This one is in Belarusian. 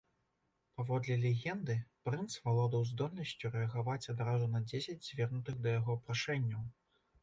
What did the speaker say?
Паводле легенды прынц валодаў здольнасцю рэагаваць адразу на дзесяць звернутых да яго прашэнняў.